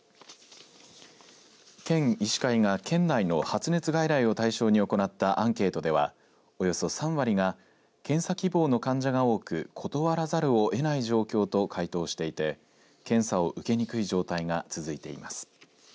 県医師会が県内の発熱外来を対象に行ったアンケートでは、およそ３割が検査希望の患者が多く断らざるをえない状況と回答していて検査を受けにくい状態が続いています。